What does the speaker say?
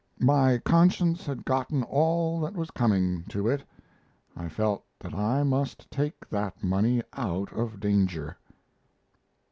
My conscience had gotten all that was coming to it. I felt that I must take that money out of danger."